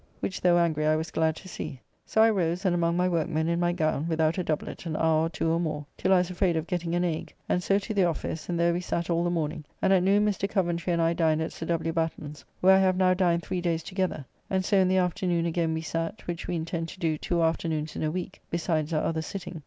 Which though angry I was glad to see. So I rose and among my workmen, in my gown, without a doublet, an hour or two or more, till I was afraid of getting an ague, and so to the office, and there we sat all the morning, and at noon Mr. Coventry and I dined at Sir W. Batten's, where I have now dined three days together, and so in the afternoon again we sat, which we intend to do two afternoons in a week besides our other sitting.